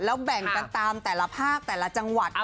แล้วแบ่งกันตามแต่ละภาคแต่ละจังหวัด